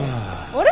あれ？